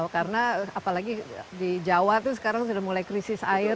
karena apalagi di jawa itu sekarang sudah mulai krisis air